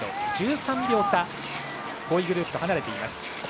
１３秒差５位グループと離れています。